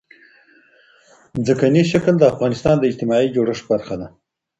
ځمکنی شکل د افغانستان د اجتماعي جوړښت برخه ده.